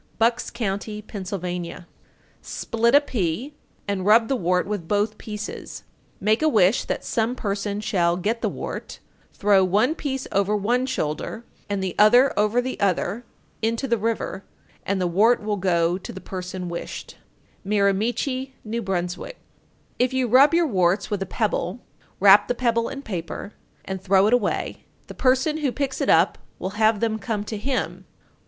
Bucks Co., Pa. 906. Split a pea and rub the wart with both pieces, make a wish that some person shall get the wart, throw one piece over one shoulder and the other over the other (into the river), and the wart will go to the person wished. Miramichi, N.B. 907. If you rub your warts with a pebble, wrap the pebble in paper, and throw it away; the person who picks it up will have them come to him.